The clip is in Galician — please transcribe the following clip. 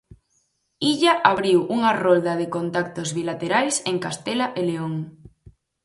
Illa abriu unha rolda de contactos bilaterais en Castela e León.